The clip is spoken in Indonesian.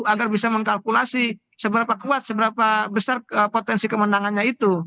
agar bisa mengkalkulasi seberapa kuat seberapa besar potensi kemenangannya itu